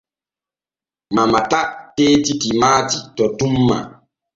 Mamata tettti timaati to tumma.